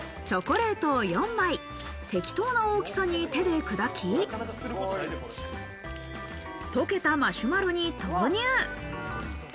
チョコレートを４枚、適当な大きさに手で砕き、溶けたマシュマロに投入。